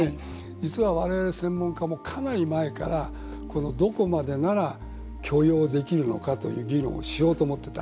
実は、我々専門家もかなり前からどこまでなら許容できるのかという議論をしようと思ってた。